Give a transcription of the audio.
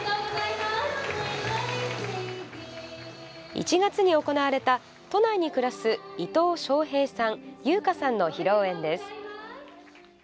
１月に行われた都内に暮らす伊藤翔平さん、優香さんの披露宴です。